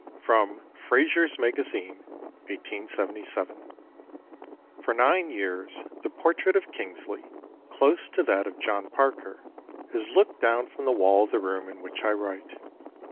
[Sidenote: Fraser's Magazine, 1877.] "For nine years the portrait of Kingsley, close to that of John Parker, has looked down from the wall of the room in which I write.